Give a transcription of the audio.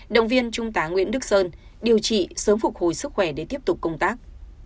động viên trung tá nguyễn đức sơn điều trị sớm phục hồi sức khỏe để tiếp tục công tác